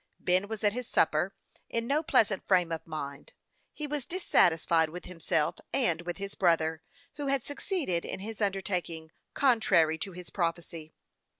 Ben was at his supper, in no pleasant frame of mind. He was dissatisfied with himself, and with his brother, who had succeeded in his undertaking contrary to his prophecy.